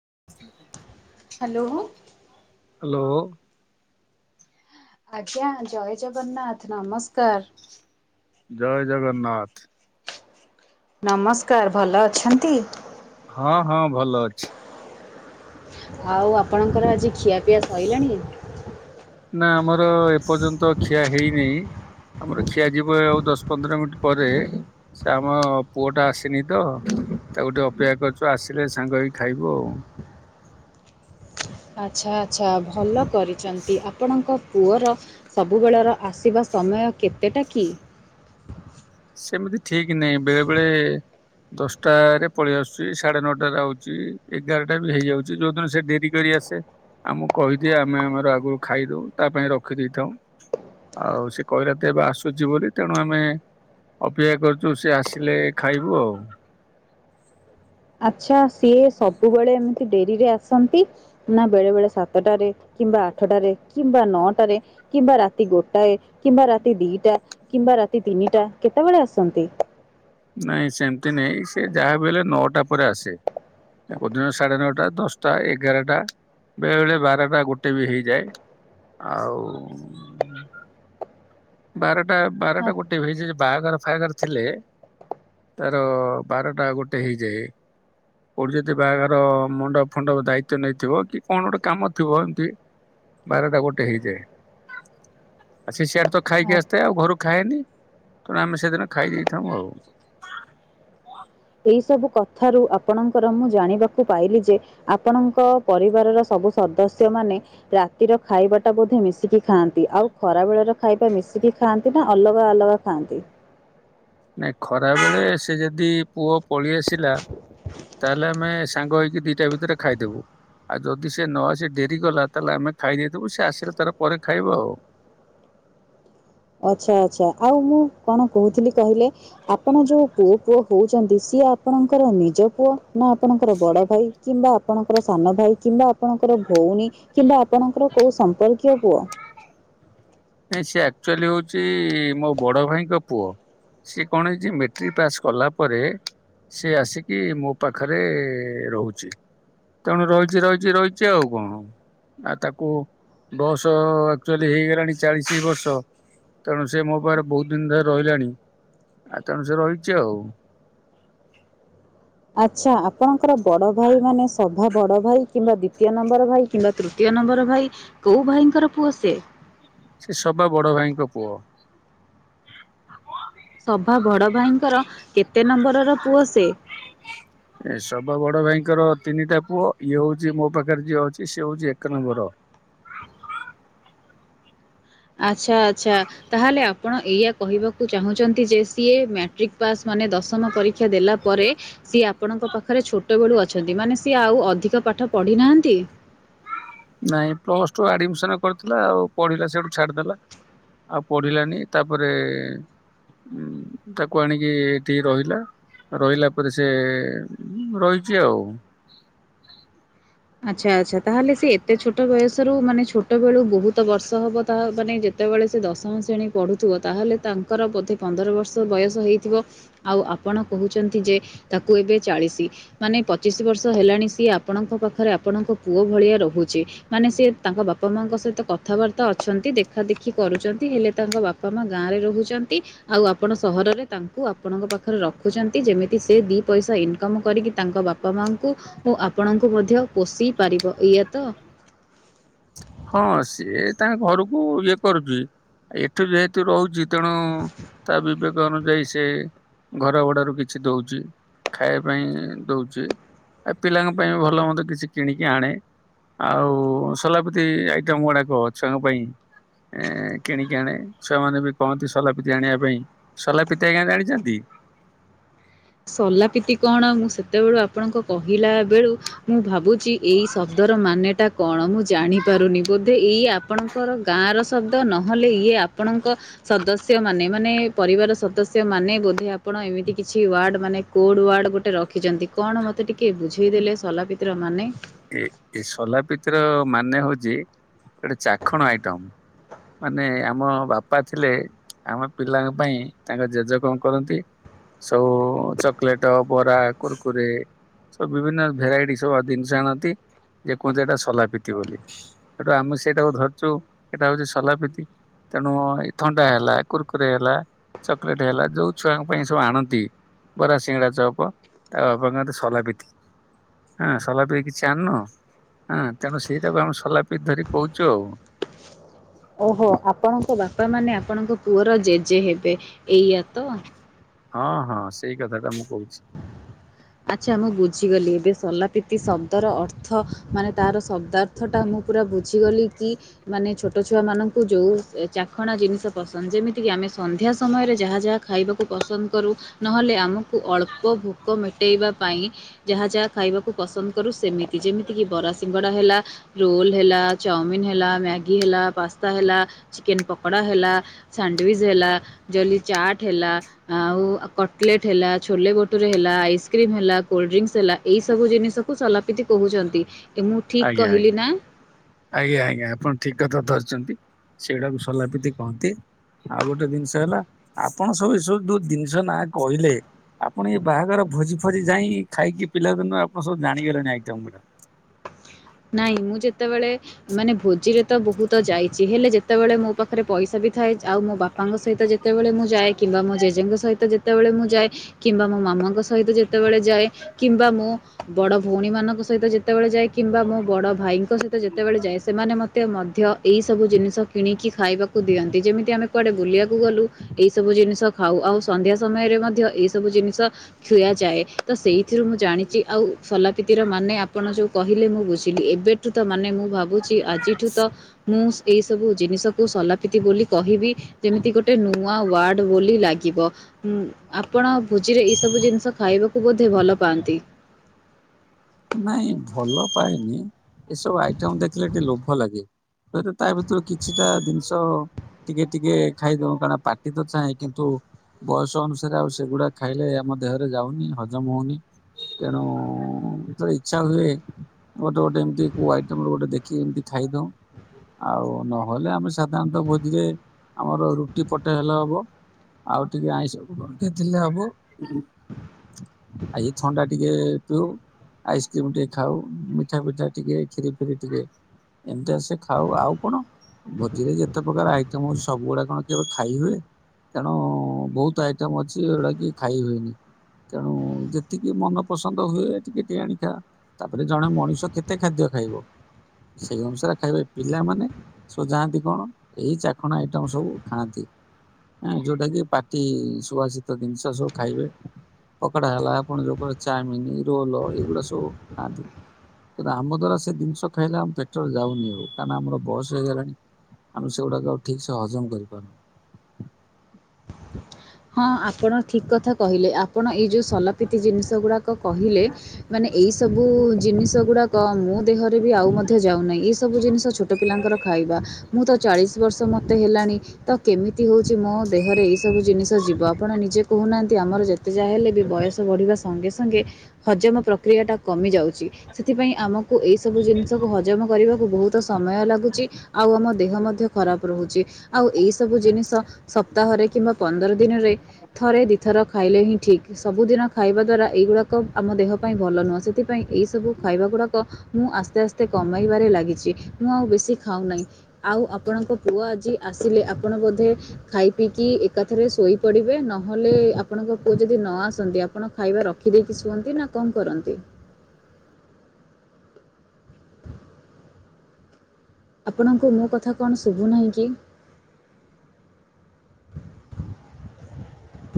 [inaudible] Hello. Hello. ଆଜ୍ଞା ଜୟ ଜଗନ୍ନାଥ ନମସ୍କାର। ଜୟ ଜଗନ୍ନାଥ। ନମସ୍କାର ଭଲ ଅଛନ୍ତି। ହଁ ହଁ ଭଲ ଅଛି। ଆଉ ଆପଣଙ୍କର ଆଜି ଖିଆପିଆ ସଇଲାଣି ନା ଆମର ଏପର୍ଯ୍ୟନ୍ତ ଖିଆ ହେଇନେଇ। ଆମର ଖିଆ ଯିବ ଆଉ ଦଶ ପନ୍ଦର ମିନିଟ ପରେ। ସେ ଆମ ପୁଅ ଟା ଆସିନି ତ ତାକୁ ଟିକେ ଅପେକ୍ଷା କରିୁଛୁ ଆସିଲେ ସାଙ୍ଗ ହେଇକି ଖାଇବୁ ଆଉ। ଆଚ୍ଛା, ଆଚ୍ଛା, ଭଲ କରିଛନ୍ତି। ଆପଣଙ୍କ ପୁଅର ସବୁବେଳର ଆସିବା ସମୟ କେତେଟା କି? ସେମିତି ଠିକ୍ ନାହିଁ। ବେଳେ ବେଳେ ଦଶଟାରେ ପଳେଇ ଆସୁଛି, ସାଢେ ନଅଟାରେ ଆଉଛି, ଏଗାରଟା ବି ହେଇଯାଉଛି, ଯୋଉଦିନ ସେ ଡେରି କରି ଆସେ ଆଉ ମୁଁ କହିଦିଏ। ଆମେ ଆମର ଆଗରୁ ଖାଇଦଉ ତା ପାଇଁ ରଖିଦେଇଥାଉଁ। ଆଉ ସେ କହିଲା ତ ଏବେ ଆସୁଛି ବୋଲି, ତେଣୁ ଆମେ ଅପେକ୍ଷା କରୁଚୁ। ସେ ଆସିଲେ ଖାଇବୁ ଆଉ। ଆଚ୍ଛା ସିଏ ସବୁବେଳେ ଏମିତି ଡେରିରେ ଆସନ୍ତି! ନା ବେଳେ ବେଳେ ସାତଟାରେ କିମ୍ବା ଆଠଟାରେ, କିମ୍ବା ନଅଟାରେ, କିମ୍ବା ରାତି ଗୋଟାଏ, କିମ୍ବା ରାତି ଦିଟା, କିମ୍ବା ରାତି ତିନିଟା, କେତେବେଳେ ଆସନ୍ତି? ନାଇଁ, ସେମିତି ନାଇଁ ସେ ଯାହାବି ହେଲେ, ନଅ'ଟା ପରେ ଆସେ। କୋଉଦିନ ସାଢେ ନଅଟା, ଦଶଟା, ଏଗାରଟା ବେଳେ ବେଳେ ବାରଟା ଗୋଟେ ବି ହେଇଯାଏ। ଆଉ-ଉଁ ବାରଟା ବାରଟା ଗୋଟେ ହେଇଯାଏ। ବାହାଘର ଫାହାଘର ଥିଲେ ତାର ବାରଟା ଗୋଟେ ହେଇଯାଏ। କୋଉଠି ଯଦି ବାହାଘର ମଣ୍ଡପ ଫଣ୍ଡପ ଦାୟିତ୍ୱ ନେଇଥିବ କି କଣ ଗୋଟେ କାମ ଥିବ ଏମତି। ବାରଟା ଗୋଟେ ହେଇଯାଏ। ଆ ସେ ସେଆଡେ ତ ଆ ଖାଇକି ଆସିଥାଏ। ଆଉ ଘରୁ ଖାଏନି, ତେଣୁ ଆମେ ସେଦିନ ଖାଇ ଦେଇଁଥାଉ ଆଉ। [inaudible] ଏସବୁ କଥାରୁ ଆପଣଙ୍କର ମୁଁ ଜାଣିବାକୁ ପାଇଲି ଯେ, ଆପଣଙ୍କ ପରିବାରର ସବୁ ସଦ ଆଉ ସେମାନେ ରାତିର ଖାଇବା ଟା ବୋଧେ ମିଶିକି ଖାଆନ୍ତି! ଆଉ ଖରା ବେଳର ଖାଇବା ମିଶିକି ଖାଆନ୍ କି ନା ଅଲଗା ଅଲଗା ଖାଆନ୍ତି? ନାଇଁ ଖରା ବେଳେ ସେ ଯଦି ପୁଅ ପଳେଇ ଆସିଲା! ତାହେଲେ, ଆମେ ସାଙ୍ଗ ହେଇକି ଦିଟା ଭିତରେ ଖାଇଦେଉ। ଆଉ, ଯଦି ସେ ନ ଆସି ଡେରିକଲା। ତାହେଲେ, ଆମେ ଖାଇ ଦେଇଥିବୁ। ସେ ଆସିଲେ ତାର ପରେ ଖାଇବ ଆଉ। [inaudible] ଆଚ୍ଛା, ଆଚ୍ଛା, ଆଉ ମୁଁ କଣ କହୁଥିଲି କହିଲେ? ଆପଣ ଯୋଉ ପୁଅ ପୁଅ ହଉଛନ୍ତି ସିଏ ସେ ଆପଣଙ୍କର ନିଜ ପୁଅ ନା ଆପଣଙ୍କର ବଡ ଭାଇ କିମ୍ବା ଆପଣଙ୍କର ସାନ ଭାଇ କିମ୍ବା ଆପଣଙ୍କର ଭଉଣୀ କିମ୍ବା ଆପଣଙ୍କର କୋଉ ସମ୍ପର୍କୀୟ ପୁଅ? ନା, ସେ ଆକ୍ଚୁଆଲି ହଉଛି, ମୋ ବଡ ଭାଇଙ୍କ ପୁଅ। ସିଏ କଣ ହେଇଛି, ମେଟ୍ରିକ ପାସ୍ କଲା ପରେ। ସେ ଆସିକି ମୋ ପାଖରେ ରହୁଛି। ତେଣୁ ରହିଛି ରହିଛି ରହିଛି ଆଉ କଣ? ଆଉ ତାକୁ ବୟସ ଆକ୍ଚୁଆଲି ହେଇଗଲାଣି। ଚାଳିଶି ବର୍ଷ ତେଣୁ, ସେ ମୋ ପାଖରେ ବହୁତ ଦିନ ଧରି ରହିଲାଣି। ଆଉ, ତେଣୁ ସେ ରହିଛି ଆଉ। ଆଚ୍ଛା, ଆପଣଙ୍କର ବଡ ଭାଇ ମାନେ ସଭା ବଡ ଭାଇ କିମ୍ବା ଦ୍ଵିତୀୟ ନମ୍ବର ଭାଇ କିମ୍ବା ତୃତୀୟ ନମ୍ବର ଭାଇ, କୋଉ ଭାଇଙ୍କର ପୁଅ ସେ? ସେ ସବା ବଡ ଭାଇଙ୍କ ପୁଅ। ସଭାବଡ ଭାଇଙ୍କର କେତେ ନମ୍ବରର ପୁଅ ସେ? ଏ ସବା ବଡ। ଙ୍କର ତିନିଟା ପୁଅ। ଇଏ ହଉଛି, ମୋ ପାଖରେ ଯିଏ ଅଛି। ସିଏ ହଉଛି ଏକ ନମ୍ବର। [inaudible] ଆଚ୍ଛା, ଆଚ୍ଛା, ତାହେଲେ ଆପଣ ଏଇଆ କହିବାକୁ ଚାହୁଁଛନ୍ତି ଯେ, ସିଏ ମାଟ୍ରିକ୍ ପାସ୍ ମାନେ ଦଶମ ପରୀକ୍ଷା ଦେଲା ପରେ ସିଏ ଆପଣ ଙ୍କ ପାଖରେ ଛୋଟବେଳୁ ଅଛନ୍ତି। ମାନେ ସିଏ, ଆଉ ଅଧିକ ପାଠ ପଢି ନାହାଁନ୍ତି? ନାଇଁ ପ୍ଲସ ଟୁ ଆଡମିଶନ୍ କରିଥିଲା ଆଉ ପଢିଲା ସେଠୁ ଛାଡିଦେଲା। ଆଉ, ପଢିଲାନି ତା'ପରେ-ଏ-ଏ ଉଁ, ତାକୁ ଆଣିକି ଏଠି ରହିଲା। ରହିଲା ପରେ ସେ, ରହିଛି ଆଉ। ଆଚ୍ଛା ଆଚ୍ଛା। ତାହେଲେ ସେ ଏତେ ଛୋଟ ବୟସ ସ ରୁ ମାନେ ଛୋଟବେଳୁ ବହୁତ ବର୍ଷ ହବ ତା ମାନେ, ଯେତେବେଳେ ସେ ଦଶମ ଶ୍ରଣୀ ପଢ଼ୁଥିବ ତାହେଲେ ତା ତାଙ୍କର ବୋଧେ ପନ୍ଦର ବର୍ଷ ବୟସ ହେଇଥିବ? ଆଉ ଆପଣ କହୁଛନ୍ତି ଯେ ତାକୁ ଏବେ ଚାଳିଶ? ଶି। ମାନେ ପଚିଶି ବର୍ଷ ହେଲାଣି ସିଏ ଆପଣଙ୍କ ପାଖ ପାଖରେ ଆପଣଙ୍କ ପୁଅ ଭଳିଆ ରହୁଛି। ମାନେ ସିଏ ତାଙ୍କ ବାପା ମାଙ୍କ ସହିତ କଥାବାର୍ତ୍ତା ଅଛନ୍ତି ଦେଖା ଦେଖି ଦେଖି କରୁଛନ୍ତି, ହେଲେ ତାଙ୍କ ବାପା ମା ଗାଁ ରେ ରହୁଛନ୍ତି। ଆଉ ଆପଣ ସହରରେ ତାଙ୍କୁ ଆପଣଙ୍କ ପାଖରେ ରଖୁଛନ୍ତି। ଯେମିତି ସେ ଦିଇ ପଇସା ଇନକମ୍ କରିକି ତାଙ୍କ ବାପା ମାଙ୍କୁ ଓ ଆପଣଙ୍କୁ ମଧ୍ୟ ପୋଷି ପାରିବ ଏଇଆ ତ? ହଁ ସିଏ ତାଙ୍କ ଘରକୁ ଇଏ କରୁଛି? ଏଠୁ ଯେହେତୁ ରହୁଛି ତେଣୁ ତା ବିିବକ୍ ଅନୁଯାୟୀ ସେ ଘର ଭଡାରୁ କିଛି ଦଉଛି। ଖାଇବା ପାଇଁ ଦଉଛି। ଏ ପିଲାଙ୍କ ପାଇଁ ବି ଭଲ ମନ୍ଦ କିଛି କିଣିକି ଆଣେ। ଆଉ ସଲାପ ଏ ଆଇଟମ ଗୁଡାକ ଛୁଆଙ୍କ ପାଇଁ ଏ କିଣିକି ଆଣେ। ଛୁଆ ମାନେ ବି କହନ୍ତି ସଲାପିତା ଆଣିବା ପାଇଁ। ସଲାପିତା ଆଜ୍ଞା ଜାଣିଛନ୍ତି? ସଲାପିତି କଣ? ମୁଁ ସେତେବେଳୁ ଆପଣଙ୍କ କହିଲା ବେଳୁ ମୁଁ ଭାବୁ ଚି ଏଇ ଶବ୍ଦର ମାନେଟା କଣ ମୁଁ ଜାଣିପାରୁନି ବୋଧେ ଏଇ ଆପଣଙ୍କର ଗାଁ ର ଶବ୍ଦ ନହେଲେ ଇଏ ଆପଣଙ୍କ ସଦସ୍ୟ ମାନେ ମାନେ ପରିବା ସଦସ୍ୟ ମାନେ ବୋଧେ ଆପଣ ଏମିତି କିଛି ୱାର୍ଡ ମାନେ କୋଡ଼ ୱାର୍ଡ଼ ଗୋଟେ ରଖିଛନ୍ତି। କଣ ମୋତେ ଟିକେ ବୁଝେଇଦେଲେ ସଲାପିତି ମାନେ? ଏ ଏ ସଲାପତିର ମାନେ ହଉଛି ଗୋଟେ ଚାଖଣ ଆଇଟମ। ମାନେ ଆମ ବାପା ଥିଲେ। ଆମ ପିଲାଙ୍କ ପାଇଁ ତାଙ୍କ ଜେଜେ କଣ କରନ୍ତି? ସବୁ ଚକୋଲେଟ, ବରା, କୁୁରକୁରେ ସବୁ ବିଭିନ୍ନ ଭେରାଇଟି ସବୁ ଜିନିଷ ଆଣନ୍ତି। ଯେ କୁହନ୍ତିୁ ଏଇଟା ସୋଲାପିତି ବୋଲି। ସେଟୁ ଆମେ ସେଇଟାକୁ ଧରିଛୁ ସେଇଟା ହଉଛି ସୋଲାପିତି। ତେଣୁ ଥଣ୍ଡା ହେଲା, କୁୁରକୁରେ ହେଲା ଚକ୍ଲେଟ ହେଲା, ଯୋଉ ଛୁଆଙ୍କ ପାଇଁ ସବୁ ଆଣନ୍ତି? ବରା, ସିଙ୍ଗଡା, ଚପ। ତା ବାପଙ୍କ ସୋଲାପିତି ହଁ ସଲା ପାଇଁ କିଛି ଚାନ ହଁ ତେଣୁ ସେଇଟାକୁ ଆମେ ସଲାପ [unintelligible] ଧରି କହୁଛୁ ଆଉ। ଓହୋ! ଆପଣଙ୍କ ବାପା ମାନେ ଆପଣଙ୍କ ପୁଅର ଜେଜେ ହେବେ ଏଇଆା ତ? ହଁ ହଁ ସେଇ କଥାଟା ମୁଁ କହୁଛି। ଆଚ୍ଛା। ମୁଁ ବୁଝିଗଲି ଏବେ ସଲାପତି ଶବ୍ଦର ଅର୍ଥ ମାନେ, ତାର ଶବ୍ଦାର୍ଥ ଟା ମୁଁ ପୁରା ବୁଝି ଗଲି କି? ମାନେ ଛୋଟ ଛୁଆ ମଙ୍କୁ ଯୋଉ ଚାଖଣା ଜିନିଷ ପସନ୍ଦ। ଯେମିତି ଆମେ ସନ୍ଧ୍ୟା ସମୟରେ ଯାହା ଯାହା ଖାଇବାକୁ ପସନ୍ଦ କରୁ। ନହେଲେ ଆମକୁ ଅଳ୍ପ ଭୋକ ମିଠ ଫଟେଇବା ପାଇଁ ଯାହା ଯାହା ଖାଇବାକୁ ପସନ୍ଦ କରୁ ସେମିତି। ଯେମିତି କିି ବରା, ସିଂ ଗଡା ହେଲା, ରୋଲ ହେଲା, ଚାପଲିନ୍ ହେଲା, ମ୍ୟାଗି ହେଲା ପାସ୍ତା ହେଲା, ଚିକେନ ପକୋଡା ହେ ହେଲା, ସାଣ୍ଡୱିଚ ହେଲା, ଯଲି ଚାଟ ହେଲା ଆଉ କଟଲେଟ ହେଲା, ଛୋଲେ ଭଟୁରେ ହେଲା, ଆଇସ୍ କ୍ରିମ୍ ହେଲା, କୋଲ୍ଡ ଡ୍ରିଙ୍କସ ହେଲା, ଏଇ ସବୁ ଜିନିକୁ ସଲାପିତି କହୁଛନ୍ତି? ଏ ମୁଁ ଠିକ୍ ଆଜ୍ଞା ଆଜ୍ଞା କହିଲି ନା? ଆଜ୍ଞା ଆଜ୍ଞା। ଆପଣ ଠିକ୍ କଥା ଧରିଛନ୍ତି। ସେଗୁଡାକୁ ସଲାପିତି କହନ୍ତି। ଆଉ ଗୋଟେ ଜିନିଷ ହେଲା, ଆପଣ ସବୁ ଏସବୁ ଯୋଉ ଜିନିଷ ନା କହିଲେ ଆପଣ ଏଇ ବାହାଘର ଭୋଜି ଫୋଜି ଯାଇକି, ଖାଇକି ପିଲା ଦିନୁ ଆପଣ ସବୁ ଜାଣିଗଲେଣି ଆଇଟମ ଗୁଡା? ନାଇଁ! ମୁଁ ଯେତେବେଳେ ମାନେ ଭୋଜିରେ ତ ବହୁତ ଯାଇଛି। ହେଲେ ଯେତ ତେ ବେଳେ ମୋ ପାଖରେ ପଇସା ବି ଥାଏ, ଆଉ ମୋ ବା ପାଙ୍କ ସହିତ ଯେତେବେଳେ ମୁଁ ଯାଏ କିମ୍ବା ମୋ ଜେଜେଙ୍କ ସହିତବେଳେ ମୁଁ ଯାଏ କିମ୍ବା ମୋ ମାମାଙ୍କ ସହିତ ଯେତେବେଳେ ଯାଏ କିମ୍ବା ମୁଁ ବଡ ଭଉଣୀ ମାନଙ୍କ ସହିତ ଯେତେବେଳେ ଯାଏ କିମ୍ବା ମୁଁ ବଡ ଭାଇଙ୍କ ସହିତ ଯେତେବେଳେ ଯାଏ, ସେମାନେ ମତେ ମଧ୍ୟ ଏଇ ସବୁ ଜିନିଷ କିଣିକି ଖାଇବାକୁ ଦିଅନ୍ତି। ଯେମିତି ଆମେ କୁଆଡ଼େ ବୁଲିବାକୁ ଗଲୁ? ଏହିସବୁ ଜିନିଷ ଖାଉ। ଆଉ ସନ୍ଧ୍ୟା ସମୟରେ ମଧ୍ୟ ଏଇ ସବୁ ଜିନିଷ ଖୁଆ ଯାଏ। ତ ସେଇଥିରୁ ମୁଁ ଜାଣିଛି। ଆଉ ସଲାପିତିର ମାନେ ଆପଣ ଯୋଉ କହିଲେ ମୁଁ ବୁଝି ଲି। ଏବେଠୁ ତ ମାନେ ମୁଁ ଭାବୁଛି ଆଜିଠୁ ତ ମୁଁ ଏଇ ସବୁ ଜିନିଷକୁ ସଲାପତି ବୋଲି କହିବି ଯେମିତି ଗୋଟେ ଗ ନୂଆ ୱାର୍ଡ ବୋଲି ଲାଗିବ। ଆପଣ ଭୋଜିରେ ଏଇ ସବୁ ଜିନିଷ ଖାଇବାକୁ ବୋଧେ ଭଲ ପାଆନ୍ତି। ନାଇଁ ଭଲ ପାଏନି ଏସବୁ ଆଇଟମ ଦେଖିଲେ ଟିକେ ଲୋଭ ଲାଗେ। ଏତ ତା ଭିତରୁ କିଛିଟା ଜିନିଷ ଟିକେ ଟିକେ ଖାଇଦଉ କାରଣ ପାଟି ତ ଚାହଁ କିନ୍ତୁ ବୟସ ଅନୁସାରେ ଆଉ ସେଗୁଡା ଖାଇଲେ ଆମ ଦେହରେ ଯାଉନି ହଜମ ହଉନି। ତେଣୁ ଇଛା ହୁଏ ଗୋଟେ ଗୋଟେ ଏମତି କୋଉ ଆଇଟମ ର ଗୋଟେ ଦେଖିକି ଏମତି ଖାଇଦଉ। ଆଉ ନହେଲେ ଆମେ ସାଧାରଣତଃ ଭୋଜିରେ ଆମର ରୁଟି ପଟେ ହେଲେ ହବ। ଆଉ ଟିକେ ଆଇଁଷ କୁ ଗନ୍ଥା ଥିଲେ ହବ। ଆ ଇଏ ଥଣ୍ଡା ଟିକେ ପିଉ। ଆଇସ୍କ୍ରିମ ଟିକେ ଖାଉ ମିଠା ଫିଠା ଟିକେ ଖିରି ଫିରି ଟିକେ। ଏମତୀ ଆସେ ଖାଉ ଆଉ କଣ ଭୋଜିରେ ଯେତେ ପ୍ରକାର ଆଇଟମ ହୋଉଛି ସବୁ ଗୁଡା କଣ କିବେ ଖାଇ ହୁଏ। ତେଣୁ ବହୁତ ଆଇଟମ ଅଛି ଏଗୁଡା କି ଖାଇ ହୁଏନି। ତେଣୁ ଯେତିକି ମନ ପସନ୍ଦ ହୁଏ ଟିକେ। କେଇଆନି କା ତାପରେ ଜଣେ ମଣିଷ କେତେ ଖାଦ୍ୟ ଖାଇବ? ସେଇ ଅନୁସାରେ ଖାଇବେ ପିଲାମାନେ ସବୁ ଯାଆନ୍ତି କଣ ଏଇ ଚାଖଣ ଆଇଟମ ସବୁ ଖାଆନ୍ତି। ଆଁ ଯୋଉଟା କି ପାଟି ସୁବାସିତ ଦିନସ ସବୁ ଖାଇବେ। ପକଡା ହେଲା ଆପଣ ଯୋଉ କଇଲେ ଚାମିନି ରୋଲ ଏଇଗୁଡା ସବୁ ଖାଆନ୍ତି। କିନ୍ତୁ ଆମ ଦ୍ୱାରା ସେ ଦିନସ ଖାଇଲେ ଆମ ପେଟରେ ଯାଉନି କାହିଁକନା ଆମର ବସ ହେଇଗଲାଣି। ଆମେ ସେଇଗୁଡାକ ଆଉ ଠିକ ସେ ହଜମ କରିପାରୁନୁ। [inaudible] ହଁ ଆପଣ ଠିକ କଥା କହିଲେ ଆପଣ ଏଇ ଯୋଉ ସଲାପିତି ଜିନିଷ ଗୁଡାକ କ କହିଲେ ମାନେ ଏଇସବୁ ଜିନିଷ ଗୁଡ଼ାକ ମୋ ଦେହରେ ବି ଆଉ ମଧ୍ୟ ଯାଉନାହିଁ। ଏଇସବୁ ଜିନିଷ ଛୋଟ ପିଲାଙ୍କର ଖାଇବା ମୁଁ ତ ଚାଳିଶ ବର୍ଷ ମୋତେ ହେଲାଣି ତ କେମିତି ତୀ ହୋଉଚି ମୋ ଦେହରେ ଏଇ ସବୁ ଜିନିଷ ଯିବ ଆପଣ ନିଜେ କୋହୁନାହାନ୍ତି ଆମର ଯେତେ ଯାହା ହେଲେ ବି ବୟସ ବଢିବା ସନ୍ ସଙ୍ଗେ ସଙ୍ଗେ ହଜମ ପ୍ରକ୍ରିୟା ଟା କମି ଯାଉଚି। ସେଥିପାଇଁ ଆମକୁ ଏଇସବୁ ଜିନିଷକୁ ହଜମ କରିବା କୁ ବହୁତ ସମୟ ଲାଗୁଛି ଆଉ ଆମ ଦେହ ମଧ୍ୟ ଖରାପ ରୋହୁଚି ଆଉ ଏଇ ସବୁ ଜିନିଷ ସପ୍ତାହରେ କିମ୍ବା ପନ୍ଦର ଦିନରେ ଥରେ ଦିଥର ଖାଇଲେ ହିଁ ଠିକ୍ ସବୁଦିନ ଖାଇବା ଦ୍ଵାରା ଏଇଗୁଡ଼ାକ ଆମ ଦେହ ପାଇଁ ଭଲ ନୁହଁ ସେଥିପାଇଁ ଏଇ ସବୁ ଖାଇବା ଗୁଡାକ ମୁଁ ଆସ୍ତେ ଆସ୍ତେ କମାଇବାରେ ଲାଗିଛି ମୁଁ ଆଉ ବେଶୀ ଖାଉ ଆଉ ଆପଣଙ୍କ ପୁଅ ଆଜି ଆସିଲେ ଆପଣ ବୋଧେ ଖାଇ ପିିଇକି ଏକାଥରେ ଶୋଇପଡିବେ ନହେଲେ ଆପଣଙ୍କ ପୁଅ ଯଦି ନ ଆସନ୍ତି ଆପଣ ଖାଇବା ରଖିଦେଇକି ଶୁଅନ୍ତି ନା ଙ୍କ କରନ୍ତି? ଆପଣଙ୍କୁ ମୋ କଥା କଣ ଶୁଭୁନାହିଁ କି? [inaudible]